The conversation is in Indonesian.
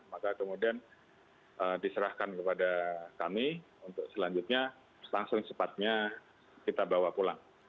maka kemudian diserahkan kepada kami untuk selanjutnya langsung cepatnya kita bawa pulang